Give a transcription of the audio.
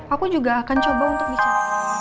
aku juga akan coba untuk bicara